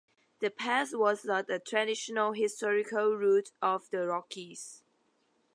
The pass was not a traditional historical route of the Rockies.